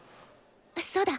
そうだ！